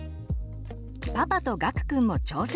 パパとがくくんも挑戦！